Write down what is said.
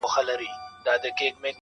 پروردگار به تهمت گرو ته سزا ورکوي,